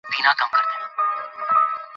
আপনার সাথে আপনার কিছু মুহতাজ পরদেশী লোক রয়েছে।